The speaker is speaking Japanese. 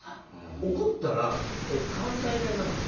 怒ったら関西弁なるの？